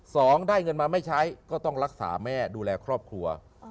สองได้เงินมาไม่ใช้ก็ต้องรักษาแม่ดูแลครอบครัว